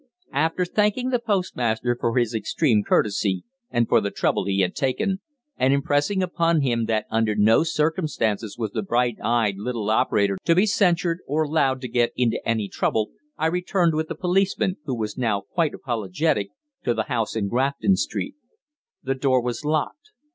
After thanking the postmaster for his extreme courtesy and for the trouble he had taken, and impressing upon him that under no circumstances was the bright eyed little operator to be censured, or allowed to get into any trouble, I returned with the policeman, who was now quite apologetic, to the house in Grafton Street. The door was locked.